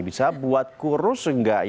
bisa buat kurus enggak